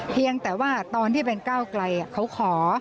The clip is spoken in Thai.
เพียงแต่ว่าตอนที่เป็นก้าวไกลเขาขอ